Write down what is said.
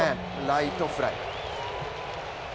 ライトフライ。